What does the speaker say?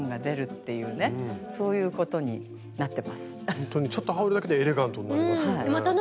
ほんとにちょっと羽織るだけでエレガントになりますね。